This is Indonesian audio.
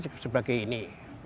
saya kan kerja sebagai ini